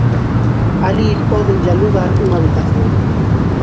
Alí pódenlle alugar unha habitación.